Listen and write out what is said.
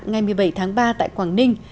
ngày một mươi bảy tháng ba tại quảng ninh